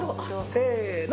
せの！